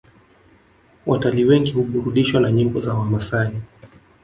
Watalii wengi huburudishwa na nyimbo za wamasai